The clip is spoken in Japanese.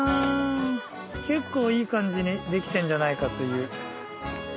結構いい感じにできてんじゃないかという。